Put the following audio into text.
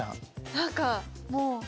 何かもう。